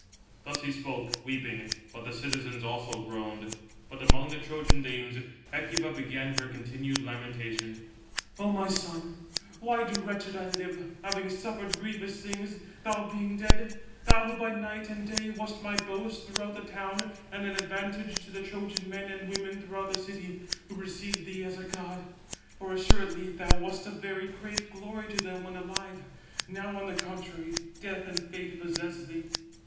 Thus he spoke, weeping, but the citizens also groaned. But among the Trojan dames, Hecuba began her continued lamentation: Footnote 715: (return) "Then shall ye bring down my grey hairs with sorrow to the grave." —Genes, xlii. 38 "O my son, why do wretched I live, having suffered grievous things, thou being dead? Thou who by night and day wast my boast throughout the town, and an advantage to the Trojan men and women throughout the city, who received thee as a god. For assuredly thou wast a very great glory to them when alive now, on the contrary, death and fate possess thee."